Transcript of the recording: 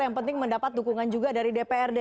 yang penting mendapat dukungan juga dari dprd